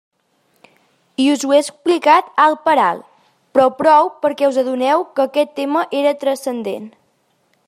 I us ho he explicat alt per alt, però prou perquè us adoneu que aquest tema era transcendent.